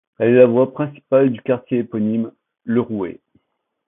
Elle est la voie principale du quartier éponyme, Le Rouet.